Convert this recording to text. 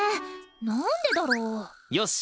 なんでだろう？よし！